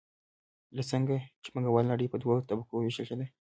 لکه څنګه چې پانګواله نړۍ په دوو طبقو ویشلې ده.